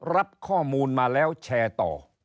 รับข้อมูลมาแล้วแชร์ต่อ